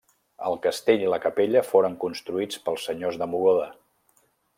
El castell i la capella foren construïts pels senyors de Mogoda.